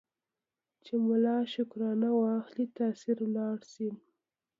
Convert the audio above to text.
چي ملا شکرانه واخلي تأثیر ولاړ سي